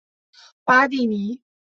巴蒂尼。